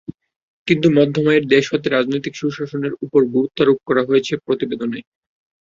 কিন্তু মধ্যম আয়ের দেশ হতে রাজনৈতিক সুশাসনের ওপর গুরুত্বারোপ করা হয়েছে প্রতিবেদনে।